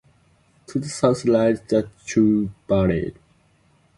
To the South lies the Chew Valley.